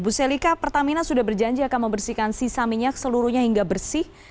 bu selika pertamina sudah berjanji akan membersihkan sisa minyak seluruhnya hingga bersih